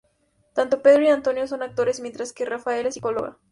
Tanto Pedro y Antonio son actores, mientras que Raffaella es psicóloga.